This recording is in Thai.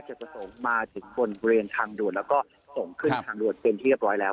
ประสงค์มาถึงบนบริเวณทางด่วนแล้วก็ส่งขึ้นทางด่วนเป็นที่เรียบร้อยแล้ว